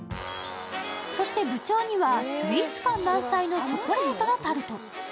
そして部長にはスイーツ感満載のチョコレートのタルト。